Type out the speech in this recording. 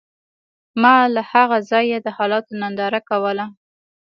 ما له هغه ځایه د حالاتو ننداره کوله